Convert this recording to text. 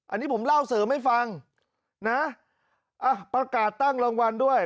อันนี้ผมเล่าเสริมให้ฟังนะอ่ะประกาศตั้งรางวัลด้วย